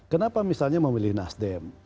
kenapa misalnya memilih nasdem